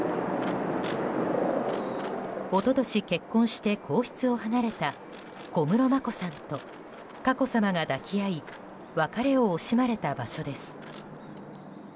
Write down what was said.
一昨年結婚して皇室を離れた小室眞子さんと佳子さまが抱き合い別れを惜しまれた場所です。